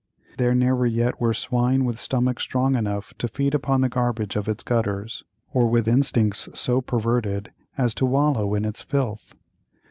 There never yet were swine with stomachs strong enough to feed upon the garbage of its gutters, or with instincts so perverted as to wallow in its filth.